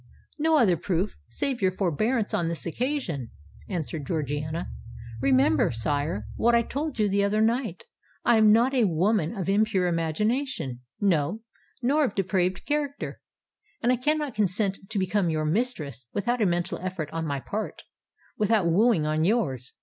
"No other proof, save your forbearance on this occasion," answered Georgiana. "Remember, sire, what I told you the other night: I am not a woman of impure imagination—no—nor of depraved character; and I cannot consent to become your mistress, without a mental effort on my part—without wooing on your's.